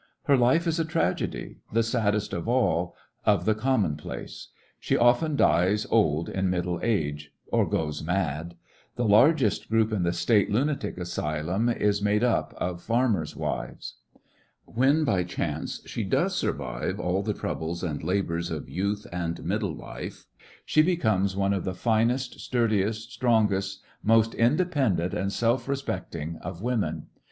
Her life is a tragedy— the saddest of all— of the commonplace. She often dies old in middle age, or goes mad. The largest group in the State lunatic asylums is made up of farmers' wives. When by chance she does survive all the troubles and labors of youth and middle life, she becomes one of the finest, sturdiest, strongest, most independent and self respect ing of women.